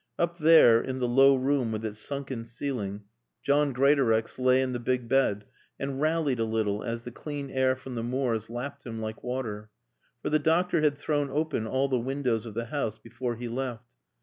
Up there, in the low room with its sunken ceiling, John Greatorex lay in the big bed and rallied a little as the clean air from the moors lapped him like water. For the doctor had thrown open all the windows of the house before he left.